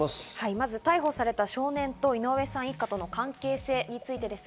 まず逮捕された少年と井上さん一家との関係です。